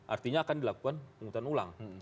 artinya akan dilakukan penghutang ulang